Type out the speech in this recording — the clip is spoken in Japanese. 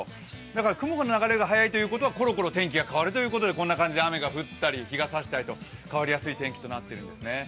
だから雲の流れが速いということはコロコロ天気が変わるということでこんな感じで雨が降ったり、日がさしたり変わりやすい天気になっていますね。